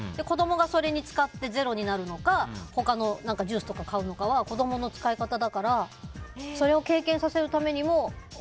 子供がそれに使ってゼロになるのか他のジュースとか買うのかは子供の使い方だからそれを経験させるためにも。